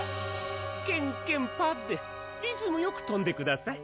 ケンケンパでリズムよくとんでください。